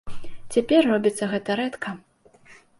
Цяпер робіць гэта рэдка.